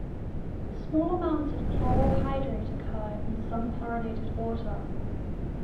Small amounts of chloral hydrate occur in some chlorinated water.